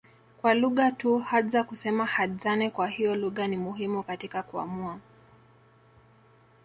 kwa lugha tu Hadza kusema Hadzane kwa hiyo lugha ni muhimu katika kuamua